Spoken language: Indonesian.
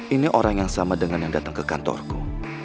ini orang yang sama dengan yang datang ke kantorku